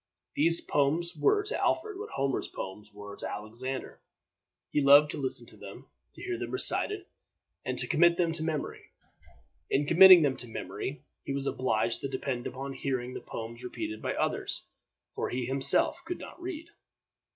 These poems were to Alfred what Homer's poems were to Alexander. He loved to listen to them, to hear them recited, and to commit them to memory. In committing them to memory, he was obliged to depend upon hearing the poems repeated by others, for he himself could not read.